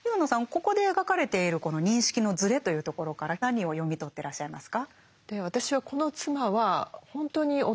ここで描かれているこの認識のずれというところから何を読み取ってらっしゃいますか？